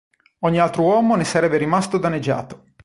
Ogni altro uomo ne sarebbe rimasto danneggiato.